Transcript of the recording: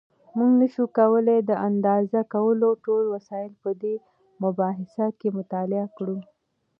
مونږ نشو کولای د اندازه کولو ټول وسایل په دې مبحث کې مطالعه کړو.